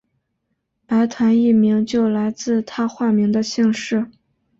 白团一名就来自他化名的姓氏。